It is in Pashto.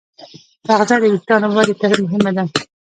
تغذیه د وېښتیانو ودې ته مهمه ده.